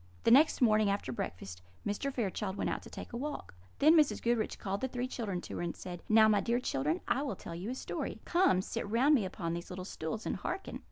The next morning, after breakfast, Mr. Fairchild went out to take a walk. Then Mrs. Goodriche called the three children to her, and said: "Now, my dear children, I will tell you a story. Come, sit round me upon these little stools, and hearken."